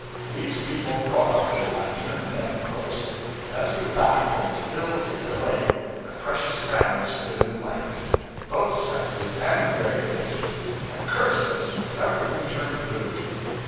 These people brought up their lantern, then, of course; and as we backed and filled to get away, the precious family stood in the light of it both sexes and various ages and cursed us till everything turned blue.